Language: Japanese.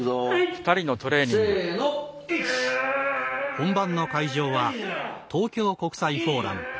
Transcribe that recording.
本番の会場は東京国際フォーラム。